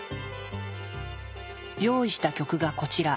用意した曲がこちら。